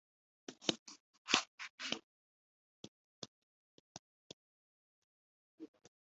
herekanywe igiteranyo cy imari shingiro